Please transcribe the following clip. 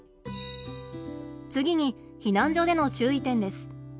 次に避難所での注意点です。